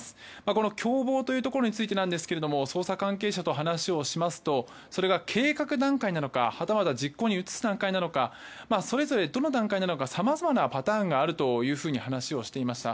この共謀というところについてなんですけれども捜査関係者と話をしますとそれが計画段階なのかはたまた実行に移す段階なのかそれぞれどの段階なのかさまざまなパターンがあると話をしていました。